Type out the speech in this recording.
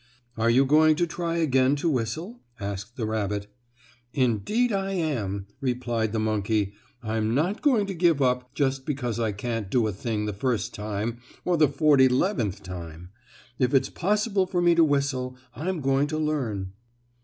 "Are you going to try again to whistle?" asked the rabbit. "Indeed I am," replied the monkey. "I'm not going to give up just because I can't do a thing the first time or the forty 'leventh time. If it's possible for me to whistle I'm going to learn."